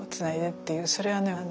それはね